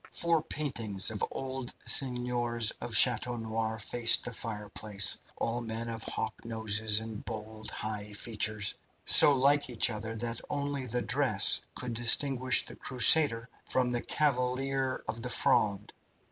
Four paintings of old seigneurs of Chateau Noir faced the fireplace, all men with hawk noses and bold, high features, so like each other that only the dress could distinguish the Crusader from the Cavalier of the Fronde.